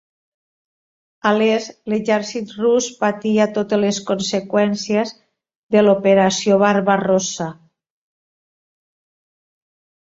A l'est, l'exèrcit rus patia totes les conseqüències de l'Operació Barbarossa.